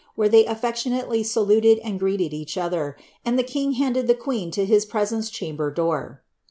where ihey afiectionaicly saluitd and greeted each oiher the king handed the queen to his prei^enrc chauibcr door.'